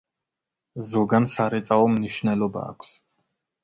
ზოგან სარეწაო მნიშვნელობა აქვს.